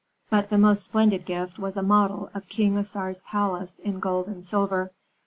But the most splendid gift was a model of King Assar's palace in gold and silver.